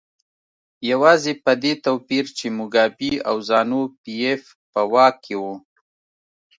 یوازې په دې توپیر چې موګابي او زانو پي ایف په واک کې وو.